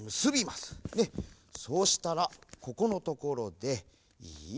そうしたらここのところでいい？